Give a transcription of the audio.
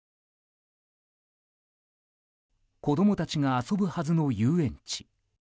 子供たちが遊ぶはずの遊園地。